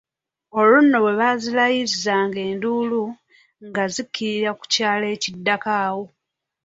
Olwo nno bwe baazirayizanga enduulu, nga zikkirira ku kyalo ekiddako awo.